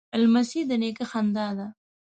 لمسی د نیکه خندا ده.